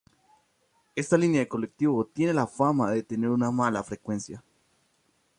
Esta línea de colectivo tiene la fama de tener una mala frecuencia.